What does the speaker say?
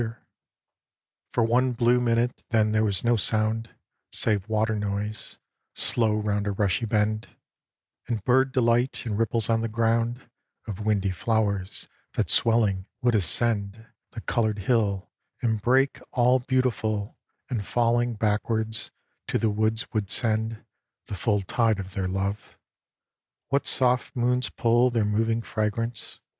A DREAM OF ARTEMIS 137 For one blue minute then there was no sound Save water noise, slow round a rushy bend, And bird delight, and ripples on the ground Of windy flowers that swelling would ascend The coloured hill and break all beautiful And, falling backwards, to the woods would send The full tide of their love. What soft moons pull Their moving fragrance?